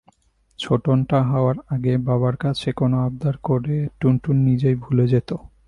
ছোটনটা হওয়ার আগে বাবার কাছে কোনো আবদার করে টুনটুন নিজেই ভুলে যেত।